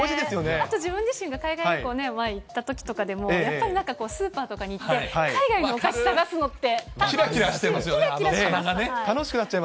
あと自分自身が海外旅行ね、前に行ったときとかでもやっぱりなんかスーパーとかに行って、海外のお菓子探すのって、楽しい。